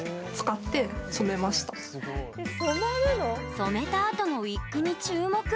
染めた後のウィッグに注目。